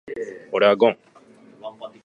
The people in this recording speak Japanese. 俺はゴン。